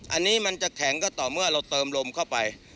อันนี้มันจะแข็งก็ต่อเมื่อเราเติมลมเข้าไป